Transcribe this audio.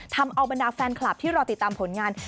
ทำเอาบรรดาแฟนคลับที่รอติดตามผลงาน